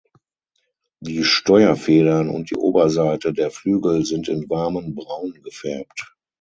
Die Steuerfedern und die Oberseite der Flügel sind in warmem Braun gefärbt.